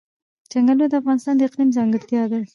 چنګلونه د افغانستان د اقلیم ځانګړتیا ده.